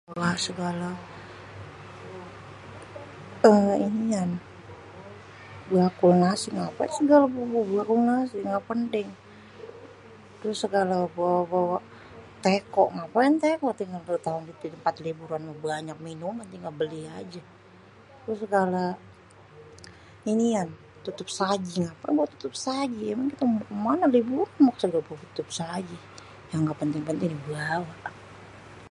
bawa segale, inian bakul nasi ngapain segale bawa-bawa dari rumah ga penting, terus segale bawa-bawa teko, ngapain teko padahal banyak minuman tinggal beli ajé terus segala inian tutup saji, ngapain bawa tutup saji emang kité mao kemaneé liburan masa bawa segala tutup saji yang ga penting-penting dibawa.